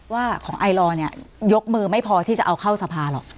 ว่าของไอลอร์เนี่ยยกมือไม่พอที่จะเอาเข้าสภาหรอก